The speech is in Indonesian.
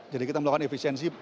jadi kita melakukan efisiensi